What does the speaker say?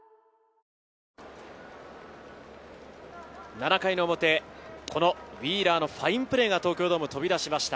７回の表、このウィーラーのファインプレーが東京ドーム、飛び出しました。